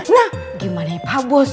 nah gimana ya pak bos